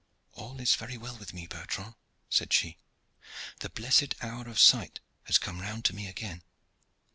"All is very well with me, Bertrand," said she. "The blessed hour of sight has come round to me again."